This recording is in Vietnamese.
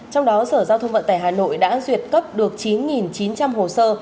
trong đó sở giao thông vận tải hà nội đã duyệt cấp được chín chín trăm linh hồ sơ